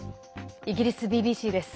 イギリスＢＢＣです。